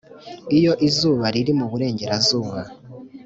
'iyo izuba riri mu burengerazuba